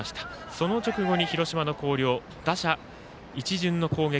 その直後に広島の広陵打者一巡の攻撃。